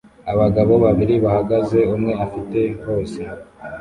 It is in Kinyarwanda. abagabo babiri bahagaze umwe afite hose